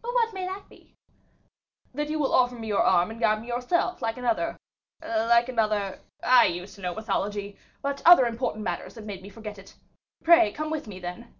"What may that be?" "That you will offer me your arm and guide me yourself, like another like another I used to know mythology, but other important matters have made me forget it; pray come with me, then?"